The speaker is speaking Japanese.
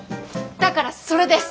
だからそれです！